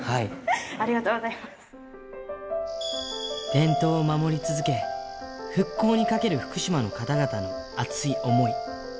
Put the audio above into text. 伝統を守り続け、復興にかける福島の方々の熱い思い。